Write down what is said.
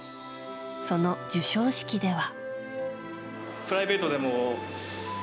その授賞式では。